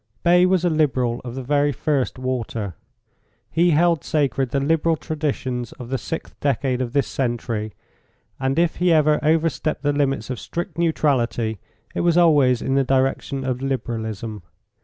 Bay was a Liberal of the very first water. He held sacred the Liberal traditions of the sixth decade of this century, and if he ever overstepped the limits of strict neutrality it was always in the direction of Liberalism.